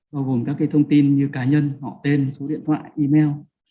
bao gồm các thông tin như cá nhân họ tên số điện thoại email